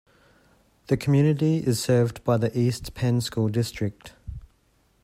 The community is served by the East Penn School District.